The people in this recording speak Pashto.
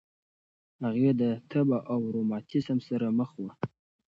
هغې د تبه او روماتیسم سره مخ وه.